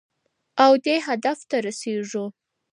او دې هدف ته رسېږو.